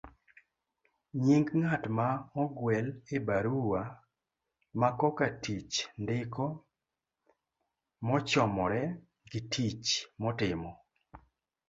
nying ng'at ma ogwel e barua makoka tich ndiko mochomore gi tich motimo